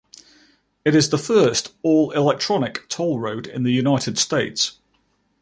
It is the first all-electronic toll road in the United States.